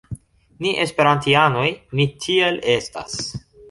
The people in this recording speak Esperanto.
Ni esperantianoj, ni tiel estas